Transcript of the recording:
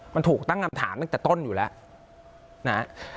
มันถูกตั้งคำถามตั้งแต่ต้นอยู่แล้วนะฮะ